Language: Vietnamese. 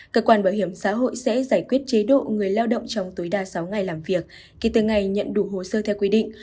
cơ quan bảo hiểm xã hội sẽ giải quyết chế độ người lao động trong tối đa sáu ngày làm việc kể từ ngày nhận đủ hồ sơ theo quy định